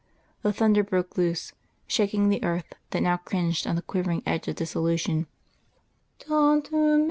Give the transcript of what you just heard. The thunder broke loose, shaking the earth that now cringed on the quivering edge of dissolution....